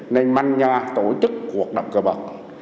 nền manh nhòa tổ chức cuộc đọc cờ bạc